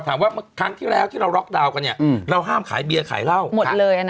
ครั้งยอดการ์บที่แล้วเราห้ามขายเบียร์หรอก